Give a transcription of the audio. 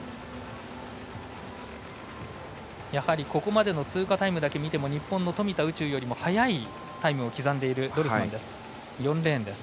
やはり、ここまでの通過タイムだけ見ても日本の富田宇宙よりも速いタイムを刻んでいるドルスマンです。